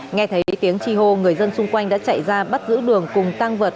nghe thấy tiếng chi hô người dân xung quanh đã chạy ra bắt giữ đường cùng tăng vật